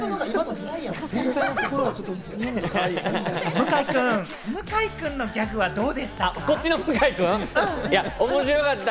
向井君、向井君のギャグはどうでした？